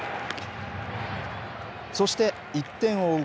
そして１点を追う